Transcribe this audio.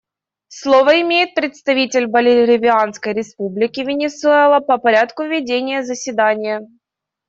Слово имеет представитель Боливарианской Республики Венесуэла по порядку ведения заседания.